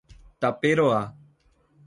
Taperoá